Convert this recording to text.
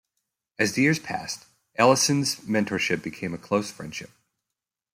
As the years passed, Ellison's mentorship became a close friendship.